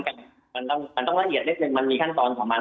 แต่ว่ามันต้องละเอียดเล็กมันมีขั้นตอนของมัน